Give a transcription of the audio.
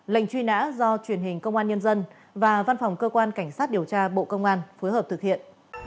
lệnh truy nã do truyền hình công an nhân dân và văn phòng cơ quan cảnh sát điều tra bộ công an phối hợp thực hiện